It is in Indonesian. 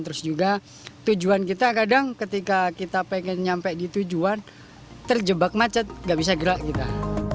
terus juga tujuan kita kadang ketika kita pengen nyampe di tujuan terjebak macet gak bisa gerak kita